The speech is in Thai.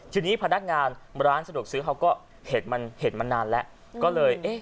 ทีนี้พนักงานร้านสะดวกซื้อเขาก็เห็นมันเห็นมานานแล้วก็เลยเอ๊ะ